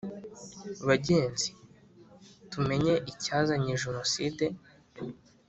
bagenzi! tumenye icyazanye jenoside